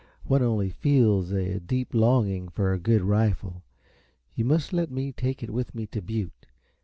One only feels a deep longing for a good rifle. You must let me take it with me to Butte.